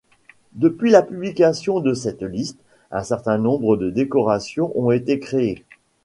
Depuis la publication de cette liste, un certain nombre de décorations ont été créées.